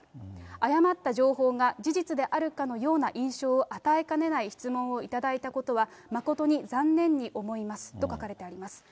誤った情報が事実であるかのような印象を与えかねない質問を頂いたことは、誠に残念に思いますと書かれています。